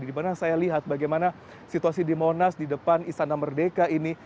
di mana saya lihat bagaimana situasi di monas di depan istana merdeka ini